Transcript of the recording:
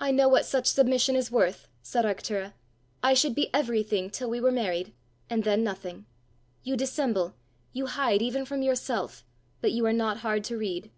"I know what such submission is worth!" said Arctura. "I should be everything till we were married, and then nothing! You dissemble, you hide even from yourself, but you are not hard to read."